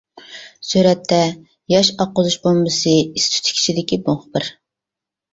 سۈرەتتە، ياش ئاققۇزۇش بومبىسى ئىس-تۈتىكى ئىچىدىكى مۇخبىر.